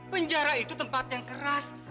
penjara itu tempat yang keras